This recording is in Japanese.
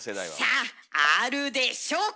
さああるでしょうか！